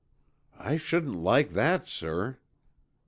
"I shouldn't like that, sir."